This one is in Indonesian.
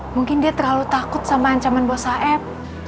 mungkin dia terlalu takut sama ancaman bos aeb